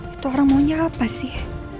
itu orang maunya apa sih